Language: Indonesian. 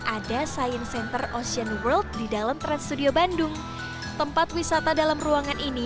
ada science center ocean world di dalam trans studio bandung tempat wisata dalam ruangan ini